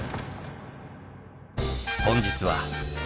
本日は。